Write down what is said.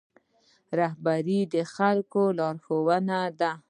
رهبري د خلکو لارښوونه ده